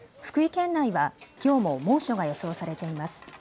県内はきょうも猛暑が予想されています。